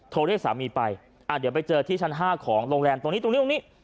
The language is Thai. เรียกสามีไปเดี๋ยวไปเจอที่ชั้น๕ของโรงแรมตรงนี้ตรงนี้ตรงนี้